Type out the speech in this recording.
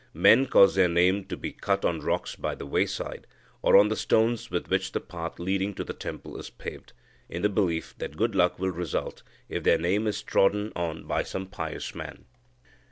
Men cause their name to be cut on rocks by the wayside, or on the stones with which the path leading to the temple is paved, in the belief that good luck will result if their name is trodden on by some pious man.